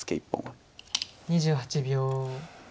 ２８秒。